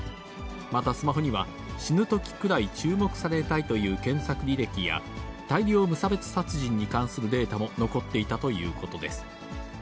またスマホには、死ぬときくらい注目されたいという検索履歴や、大量無差別殺人に関するデータも残っていたということです。